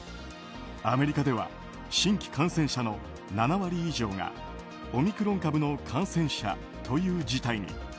アメリカでは新規感染者の７割以上がオミクロン株の感染者という事態に。